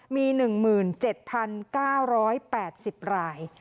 มี๑๗๙๘๐ราย